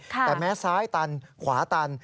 แต่แม้ซ้ายตันขวาตัน